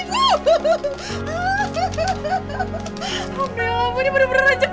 alhamdulillah ini bener bener rejek